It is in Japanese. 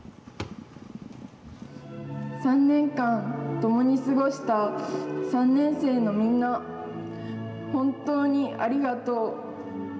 ３年間ともに過ごした３年生のみんな本当にありがとう。